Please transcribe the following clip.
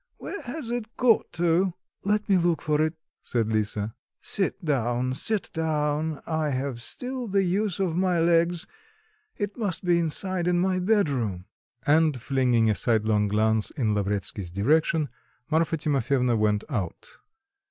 Where has it got to?" "Let me look for it," said Lisa. "Sit down, sit down; I have still the use of my legs. It must be inside in my bedroom." And flinging a sidelong glance in Lavretsky's direction, Marfa Timofyevna went out.